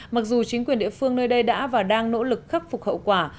mặc dù chính quyền địa phương nơi đây đã và đang nỗ lực khắc phục hậu quả